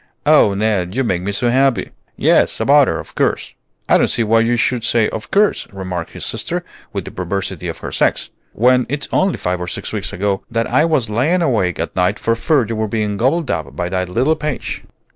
Oh, Ned, you make me so happy." "Yes; about her, of course." "I don't see why you should say 'of course,'" remarked his sister, with the perversity of her sex, "when it's only five or six weeks ago that I was lying awake at night for fear you were being gobbled up by that Lilly Page."